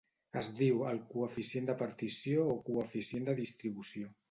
Es diu el coeficient de partició o coeficient de distribució.